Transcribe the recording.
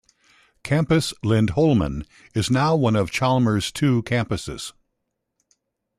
Campus Lindholmen is now one of Chalmers' two campuses.